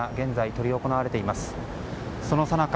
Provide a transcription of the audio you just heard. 告別式が現在、執り行われています。